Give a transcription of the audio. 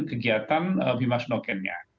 kegiatan bimas nokennya